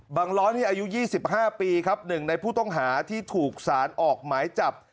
บางล้อนี่อายุ๒๕ปี๑ในผู้ต้องหาที่ถูกสารออกหมายจับ